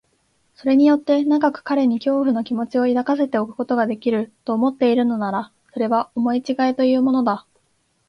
それによって長く彼に恐怖の気持を抱かせておくことができる、と思っているのなら、それは思いちがいというものだ。